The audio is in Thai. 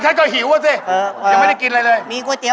ยังไม่ได้กินอะไร